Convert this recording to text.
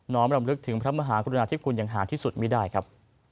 น้องรำลึกถึงพระมหาคุณธิปกรุณอย่างห่างที่สุดมีได้ครับ